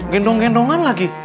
gendong gendongan lagi